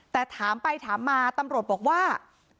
แต่ถามไปถามมาตำรวจบอกว่า